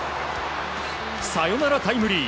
サヨナラタイムリー！